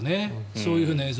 そういう映像。